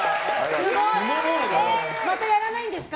またやらないんですか？